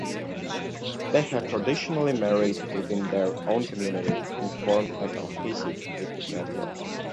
They have traditionally married within their own community and formed a cohesive ethnic network.